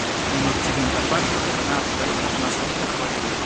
En okcidenta parto de la navo estas masonita ĥorejo.